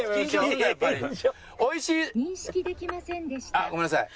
ああごめんなさい。